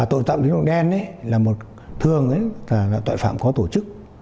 tội tạm tính nội đen là một thường tội phạm có tổ chức